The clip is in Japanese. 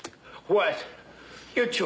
おい。